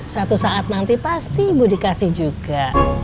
suatu saat nanti pasti ibu dikasih juga